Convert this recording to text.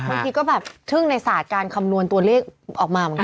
บางทีก็แบบทึ่งในศาสตร์การคำนวณตัวเลขออกมาเหมือนกัน